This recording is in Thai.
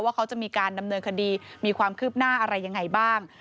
ว่าเขาจะมีการดำเนินคดีมีความคืบหน้าอะไรยังไงบ้าง